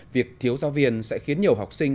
việc thiếu giáo viên sẽ khiến nhiều học sinh